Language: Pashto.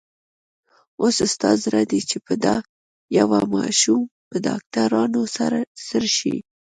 اوس ستا زړه دی چې په دا يوه ماشوم په ډاکټرانو سر شې.